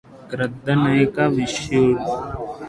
గ్రద్దనెక్కె Vishnu